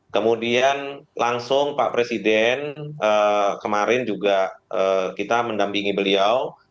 kemudian langsung pak presiden kemarin juga kita mendampingi beliau